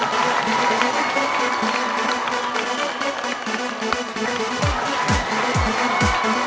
แตกใจจริงจริง